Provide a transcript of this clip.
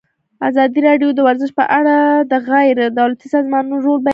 ازادي راډیو د ورزش په اړه د غیر دولتي سازمانونو رول بیان کړی.